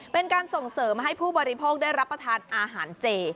เป็นการส่งเสริมให้ผู้บริโภคได้รับประทานอาหารเจ